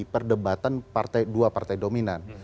perdebatan dua partai dominan